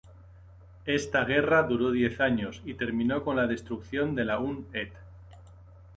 Esta guerra duró diez años y terminó con la destrucción de la Hun Ett.